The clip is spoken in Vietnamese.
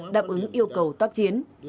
đáp ứng yêu cầu tác chiến